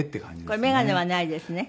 これ眼鏡はないですね。